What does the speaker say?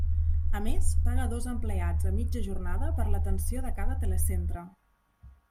A més, paga dos empleats a mitja jornada per l'atenció de cada telecentre.